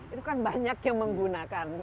itu kan banyak yang menggunakan